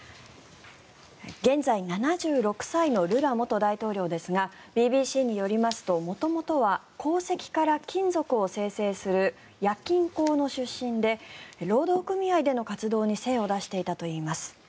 現在７６歳のルラ元大統領ですがＢＢＣによりますと元々は、鉱石から金属を精製する冶金工の出身で労働組合での活動に精を出していたといいます。